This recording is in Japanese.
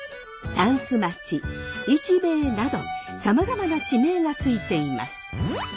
箪笥町市兵衛などさまざまな地名が付いています。